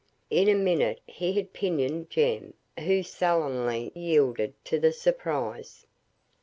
In a minute he had pinioned Jem, who sullenly yielded to the surprise.